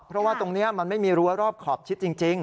เพราะว่าตรงนี้มันไม่มีรั้วรอบขอบชิดจริง